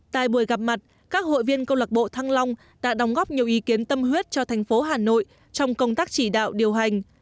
tại buổi gặp mặt các hội viên câu lạc bộ thăng long đã đóng góp nhiều ý kiến tâm huyết cho thành phố hà nội trong công tác chỉ đạo điều hành